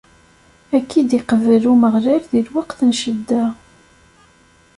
Ad k-id-iqbel Umeɣlal di lweqt n ccedda!